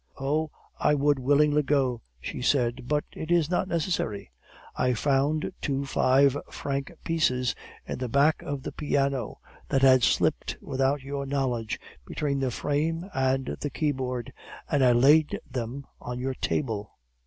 "'Oh, I would willingly go,' she said, 'but it is not necessary. I found two five franc pieces at the back of the piano, that had slipped without your knowledge between the frame and the keyboard, and I laid them on your table.